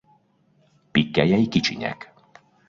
Pikkelyei kicsinyek.